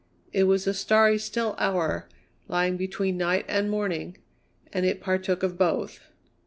It was a starry, still hour, lying between night and morning, and it partook of both.